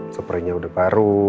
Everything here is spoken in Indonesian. suprainya udah baru